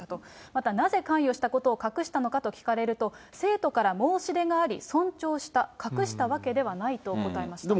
また、なぜ関与したことを隠したのかと聞かれると、生徒から申し出があり、尊重した、隠したわけではないと答えました。